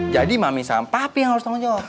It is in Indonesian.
jadi mami sama papi yang harus tanggung jawab